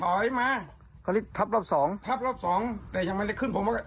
ถอยมาเขาเรียกทับรอบสองทับรอบสองแต่ยังไม่ได้ขึ้นผมก็